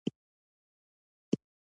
داسې ښکارېدله چې کار یې جوړ دی.